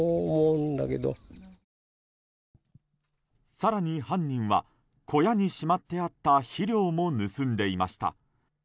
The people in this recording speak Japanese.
更に犯人は小屋にしまってあった肥料も盗んでいました。